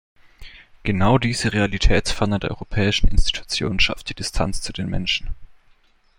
Genau diese Realitätsferne der europäischen Institutionen schafft die Distanz zu den Menschen.